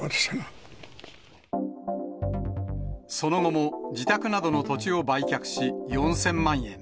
その後も、自宅などの土地を売却し、４０００万円。